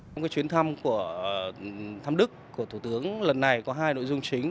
trong chuyến thăm của thăm đức của thủ tướng lần này có hai nội dung chính